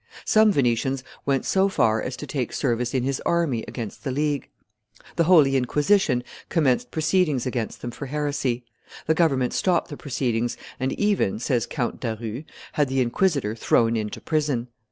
Some Venetians went so far as to take service in his army against the League. The Holy Inquisition commenced proceedings against them for heresy; the government stopped the proceedings, and even, says Count Daru, had the Inquisitor thrown into prison.